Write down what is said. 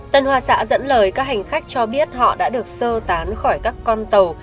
tần hòa xã dẫn lời các hành khách cho biết họ đã được sơ tán khỏi các con tàu